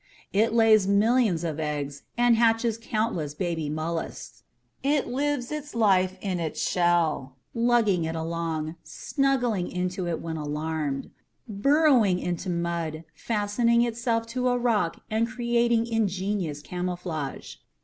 It lays millions of eggs and hatches countless baby mollusks. It lives its life in its shell, lugging it around, snuggling into it when alarmed, burrowing into mud, fastening itself to a rock and creating ingenious camouflage.